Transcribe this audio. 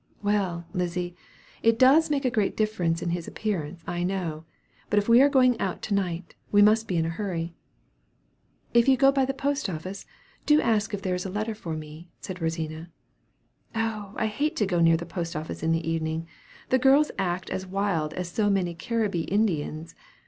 "Well, Lizzy, it does make a great difference in his appearance, I know; but if we are going out to night, we must be in a hurry." "If you go by the post office, do ask if there is a letter for me," said Rosina. "Oh, I hate to go near the post office in the evening; the girls act as wild as so many Caribbee Indians.